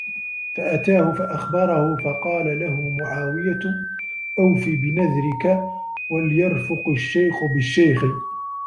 فَأَتَاهُ فَأَخْبَرَهُ فَقَالَ لَهُ مُعَاوِيَةُ أَوْفِ بِنَذْرِك وَلْيَرْفُقْ الشَّيْخُ بِالشَّيْخِ